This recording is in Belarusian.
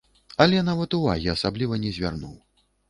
Але нават увагі асабліва не звярнуў.